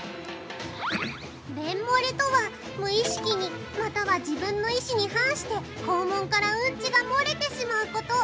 便もれとは無意識に、または自分の意思に反して肛門からうんちがもれてしまうこと。